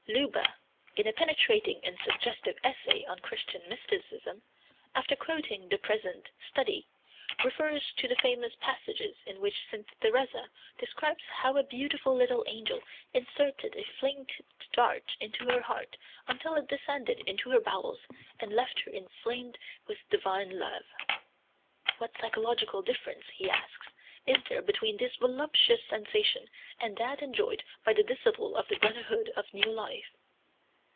Leuba, in a penetrating and suggestive essay on Christian mysticism, after quoting the present Study, refers to the famous passages in which St. Theresa describes how a beautiful little angel inserted a flame tipped dart into her heart until it descended into her bowels and left her inflamed with divine love. "What physiological difference," he asks, "is there between this voluptuous sensation and that enjoyed by the disciple of the Brotherhood of New Life?